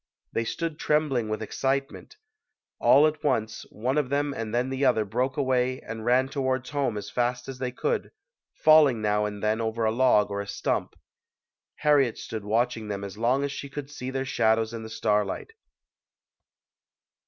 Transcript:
They stood trem bling with excitement. All at once, one of them and then the other broke away and ran towards home as fast as they could, falling now and then over a log or a stump. Harriet stood watching them as long as she could see their shadows in the starlight.